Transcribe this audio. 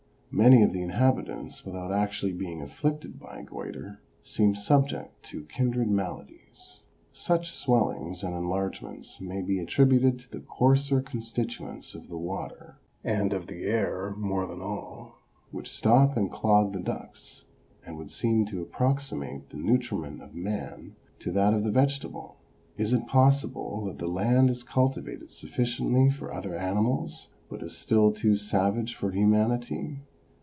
Many of the inhabitants, without actually being afflicted by goitre, seem subject to kindred maladies. Such swellings and enlargements may be attributed to the coarser con stituents of the water, and of the air more than all, which stop and clog the ducts, and would seem to approxi mate the nutriment of man to that of the vegetable. Is it possible that the land is cultivated sufficiently for other animals but is still too savage for humanity